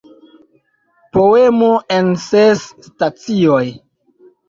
Poemo en ses stacioj.